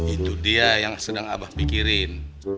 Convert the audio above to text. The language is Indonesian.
itu dia yang sedang abah pikirin